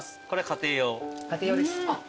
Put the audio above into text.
家庭用です。